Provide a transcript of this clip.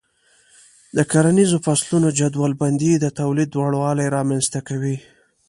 د کرنیزو فصلونو جدول بندي د تولید لوړوالی رامنځته کوي.